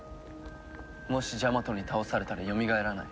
もしジャマトに倒されたらよみがえらない。